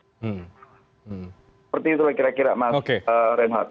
seperti itulah kira kira mas reinhardt